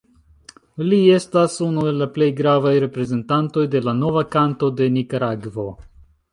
Li estas unu el la plej gravaj reprezentantoj de la "Nova Kanto" de Nikaragvo.